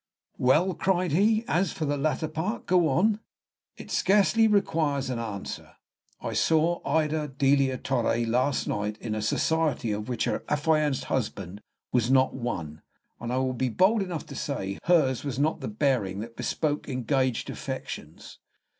"Well," cried he, "as for the latter part; go on." "It scarcely requires an answer. I saw Ida Delia Torre last night in a society of which her affianced husband was not one; and, I will be bold enough to say, hers was not the bearing that bespoke engaged affections."